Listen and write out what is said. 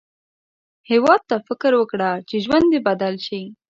هیواد ته فکر وکړه، چې ژوند دې بدل شي